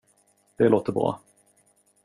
Det låter bra.